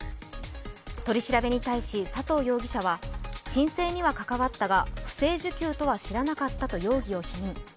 取り調べに対し、佐藤容疑者は申請には関わったが不正受給とは知らなかったと容疑を否認。